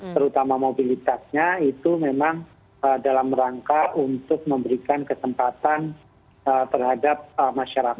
terutama mobilitasnya itu memang dalam rangka untuk memberikan kesempatan terhadap masyarakat